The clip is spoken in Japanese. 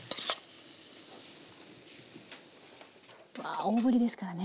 わあ大ぶりですからね。